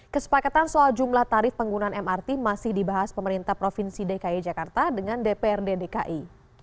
kesepakatan soal jumlah tarif penggunaan mrt masih dibahas pemerintah provinsi dki jakarta dengan dprd dki